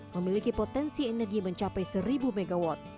memiliki potensi energi mencapai seribu mw